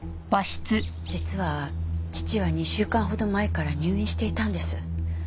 実は父は２週間ほど前から入院していたんです。